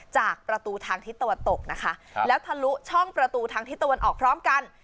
จากประตูทางทิศตะวันตกนะคะแล้วทะลุช่องประตูทางทิศตะวันออกพร้อมกัน